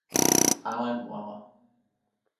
awen wawa.